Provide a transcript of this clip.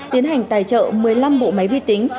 tiến hành tài trợ một mươi năm bộ máy vi tính